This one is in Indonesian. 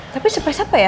tapi surprise apa ya